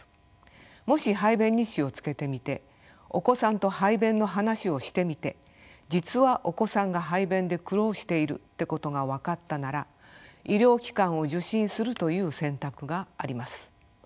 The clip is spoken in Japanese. もし排便日誌をつけてみてお子さんと排便の話をしてみて実はお子さんが排便で苦労しているってことが分かったなら医療機関を受診するという選択があります。